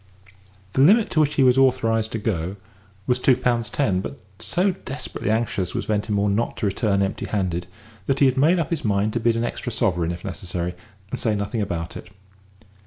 The limit to which he was authorised to go was two pounds ten; but, so desperately anxious was Ventimore not to return empty handed, that he had made up his mind to bid an extra sovereign if necessary, and say nothing about it.